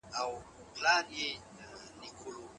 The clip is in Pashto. زه هر وخت د مشفق تخلص په اورېدلو سره د مهربانۍ احساس پيدا کوم